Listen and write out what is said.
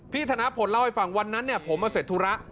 ธนพลเล่าให้ฟังวันนั้นผมมาเสร็จธุระ